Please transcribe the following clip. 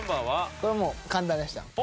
これはもう簡単でした。